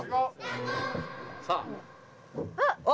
さあ。